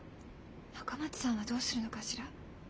赤松さんはどうするのかしら？